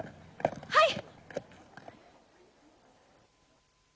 はい！